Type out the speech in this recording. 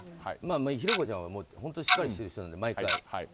寛子ちゃんは本当しっかりしている人なんで毎回。